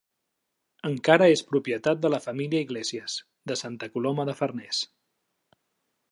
Encara és propietat de la família Iglésies, de Santa Coloma de Farners.